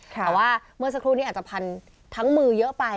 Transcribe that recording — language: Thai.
แต่ว่าเมื่อสักครู่นี้อาจจะพันทั้งมือเยอะไป